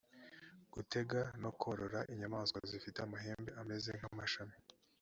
gutega no korora inyamaswa zifite amahembe ameze nk’amashami